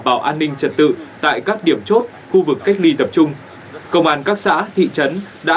bảo an ninh trật tự tại các điểm chốt khu vực cách ly tập trung công an các xã thị trấn đã